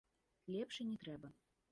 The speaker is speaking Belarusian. Лепш і не трэба.